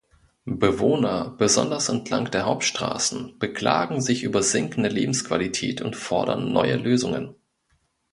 Bewohner, besonders entlang der Hauptstraßen, beklagen sich über sinkende Lebensqualität und fordern neue Lösungen.